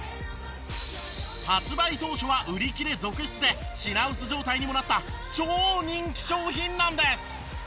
発売当初は売り切れ続出で品薄状態にもなった超人気商品なんです。